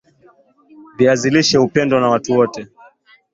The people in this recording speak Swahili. Viazi lishe hupendwa na watu wote